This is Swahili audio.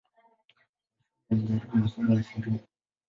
Mwishoni alijaribu masomo ya sheria.